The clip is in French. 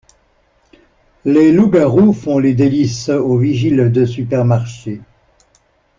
Les loups-garous font les délices au vigile de supermarché.